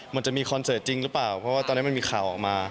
มันจะมีคอนเสิร์ตจริงหรือเปล่าเพราะว่าตอนนี้มันมีข่าวออกมา